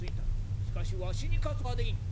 しかしわしに勝つことはできん」。